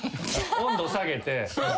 温度下げて？